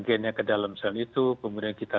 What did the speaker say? gennya ke dalam sel itu kemudian kita